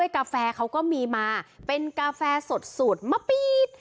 กาแฟเขาก็มีมาเป็นกาแฟสดสูตรมะปี๊ด